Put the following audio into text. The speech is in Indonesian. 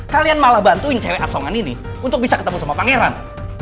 kalian malah bantuin cewek asongan ini untuk bisa ketemu sama pangeran